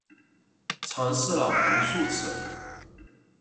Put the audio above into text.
尝试了无数次